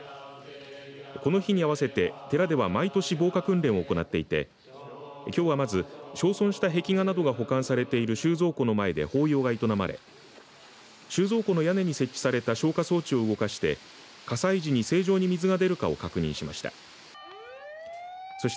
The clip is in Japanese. この日に合わせて寺では毎年、防火訓練を行っていてきょうはまず焼損した壁画などが保管されている収蔵庫の前で法要が営まれ収蔵庫の屋根に設置された消火装置を動かして火災時に正常に水が出るかを確認しました。